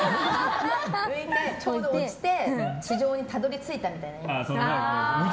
浮いて、ちょうど落ちて地上にたどり着いたみたいな感じ。